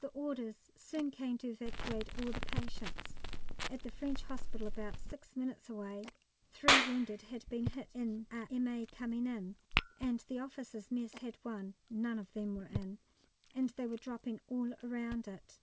The orders soon came to evacuate all the patients. At the French Hospital, about six minutes away, three wounded had been hit in a M.A. coming in, and the Officers' Mess had one (none of them were in), and they were dropping all round it.